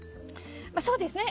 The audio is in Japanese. そうですね。